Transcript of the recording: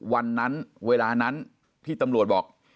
วันนั้นเวลานั้นที่ตำรวจบอก